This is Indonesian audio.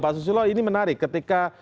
pak susilo ini menarik ketika